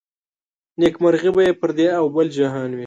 نيکمرغي به يې پر دې او بل جهان وي